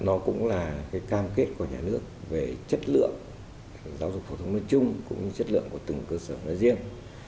đồng thời nó cũng là cái cam kết của nhà nước về chất lượng giáo dục phổ thông nơi chung cũng như chất lượng của từng cơ sở nơi riêng